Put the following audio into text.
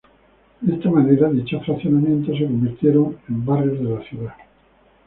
De esta manera, dichos fraccionamientos se convirtieron en barrios de la ciudad.